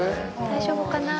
大丈夫かな？